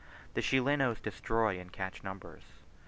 The Chilenos destroy and catch numbers.